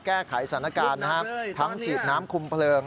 แก้ไขสถานการณ์นะครับทั้งฉีดน้ำคุมเพลิง